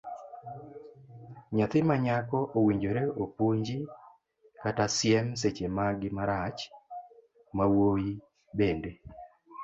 Nyathi manyako owinjore opunji kata siem seche magi marach, mawuoyi bende.